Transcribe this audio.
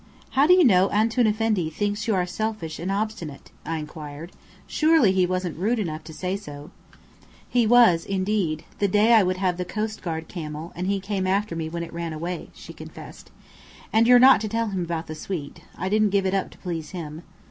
"How do you know Antoun Effendi thinks you selfish and obstinate?" I inquired. "Surely he wasn't rude enough to say so?" "He was indeed, the day I would have the coastguard camel, and he came after me when it ran away," she confessed. "And you're not to tell him about the suite. I didn't give it up to please him."